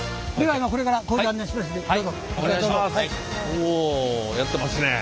おやってますねえ。